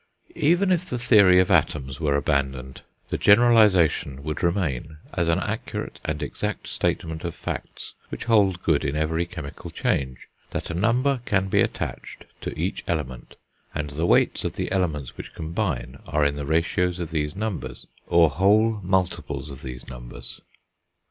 Even if the theory of atoms were abandoned, the generalisation would remain, as an accurate and exact statement of facts which hold good in every chemical change, that a number can be attached to each element, and the weights of the elements which combine are in the ratios of these numbers, or whole multiples of these numbers.